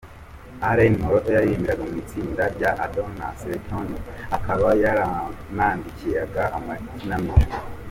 Alain Moloto yaririmbiraga mu itsinda rya Adorons l’eternel, akaba yaranandikaga amakinamico.